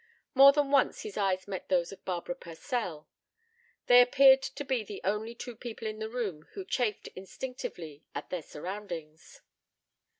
More than once his eyes met those of Barbara Purcell. They appeared to be the only two people in the room who chafed instinctively at their surroundings.